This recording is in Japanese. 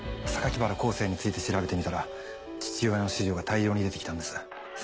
原康生について調べてみたら父親の資料が大量に出て来たんです。